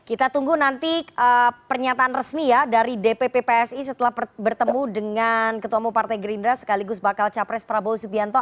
kita tunggu nanti pernyataan resmi ya dari dpp psi setelah bertemu dengan ketua umum partai gerindra sekaligus bakal capres prabowo subianto